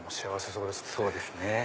そうですね。